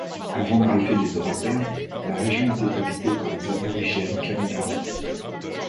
Avant l'arrivée des Européens, la région était habitée par les Aborigènes Kamilaroi.